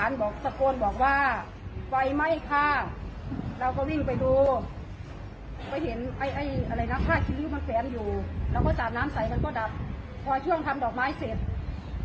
แล้วก็เกิดไปเรื่อยเรื่อยวันละครั้งสองครั้งสามครั้งมีวันที่ยี่สิบสี่